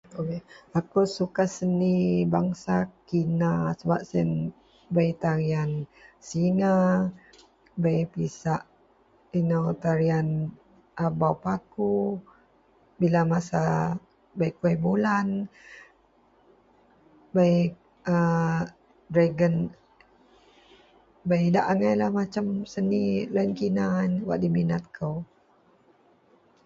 Akou suka seni bangsa kina, sebab siyen bei tarian singa bei pisak ino tarian a bau baku, bila masa kuih-kuih bulan, bei a, bei gen, bei idak angai masem seni tarian kina waK diminat kou.